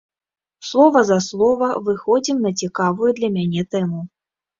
Слова за слова выходзім на цікавую для мяне тэму.